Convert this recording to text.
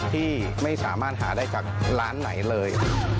ที่ไม่สามารถหาได้จากร้านไหนเลย